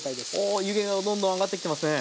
お湯気がどんどん上がってきてますね。